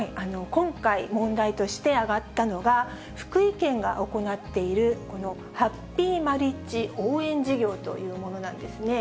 今回問題として挙がったのが、福井県が行っている、このハッピーマリッジ応援事業というものなんですね。